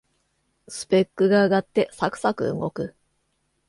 スペックが上がってサクサク動く